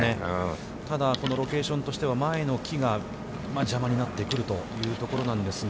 ただ、このロケーションとしては、前の木が邪魔になってくるというところなんですが。